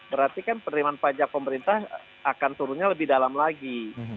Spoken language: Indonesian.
berarti kan penerimaan pajak pemerintah akan turunnya lebih dalam lagi